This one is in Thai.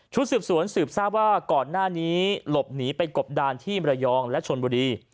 สืบสวนสืบทราบว่าก่อนหน้านี้หลบหนีไปกบดานที่มรยองและชนบุรี